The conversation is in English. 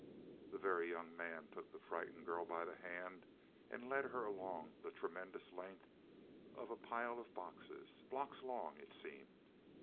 The Very Young Man took the frightened girl by the hand and led her along the tremendous length of a pile of boxes, blocks long it seemed.